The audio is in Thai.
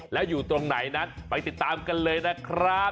แล้วอยู่ตรงไหนนั้นไปติดตามกันเลยนะครับ